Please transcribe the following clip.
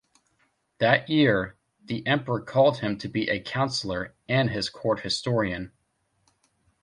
That year, the emperor called him to be a councillor and his court historian.